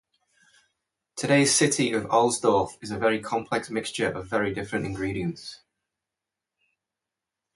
Today's city of Alsdorf is a very complex mixture of very different ingredients.